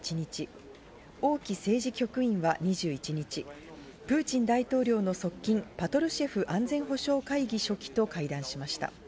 局員は２１日、プーチン大統領の側近、パトルシェフ安全保障会議書記と会談しました。